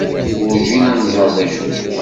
Werǧin ad nẓer d acu.